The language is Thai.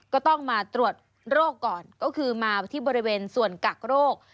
ก็ต้องมาตรวจโรคก่อนก็คือมาที่บริเวณส่วนกักโรค